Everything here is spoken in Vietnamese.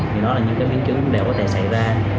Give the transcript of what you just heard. thì đó là những cái biến chứng đều có thể xảy ra